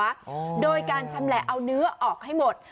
อ๋อโดยการชำแหละเอาเนื้อออกให้หมด